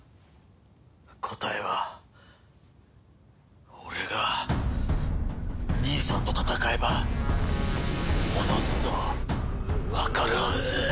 答えは俺が兄さんと戦えばおのずとわかるはず。